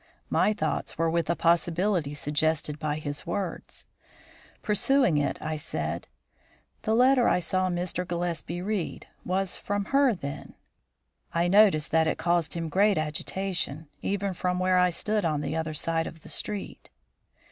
My thoughts were with a possibility suggested by his words. Pursuing it, I said, "The letter I saw Mr. Gillespie read was from her, then? I noticed that it caused him great agitation, even from where I stood on the other side of the street."